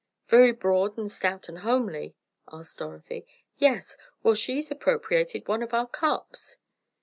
"Very broad and stout and homely?" asked Dorothy. "Yes. Well, she appropriated one of our cups!"